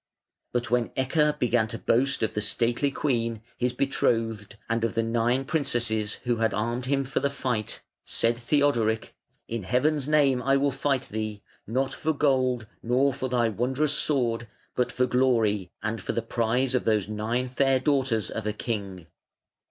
But when Ecke began to boast of the stately queen, his betrothed, and of the nine princesses who had armed him for the fight, said Theodoric: "In heaven's name I will fight thee, not for gold nor for thy wondrous sword, but for glory and for the prize of those nine fair daughters of a king".